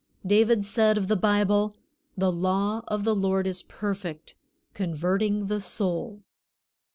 David said of the Bible: "The law of the Lord is perfect, converting the soul."